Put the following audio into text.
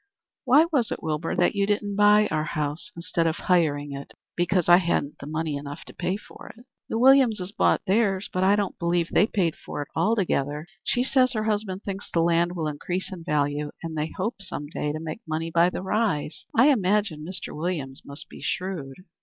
"Why was it, Wilbur, that you didn't buy our house instead of hiring it?" "Because I hadn't money enough to pay for it." "The Williamses bought theirs. But I don't believe they paid for it altogether. She says her husband thinks the land will increase in value, and they hope some day to make money by the rise. I imagine Mr. Williams must be shrewd."